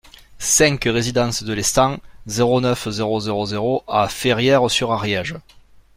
cinq résidence de Lestang, zéro neuf, zéro zéro zéro à Ferrières-sur-Ariège